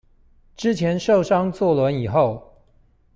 之前受傷坐輪椅後